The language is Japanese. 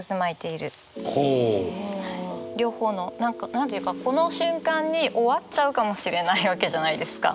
両方の何て言うかこの瞬間に終わっちゃうかもしれないわけじゃないですか。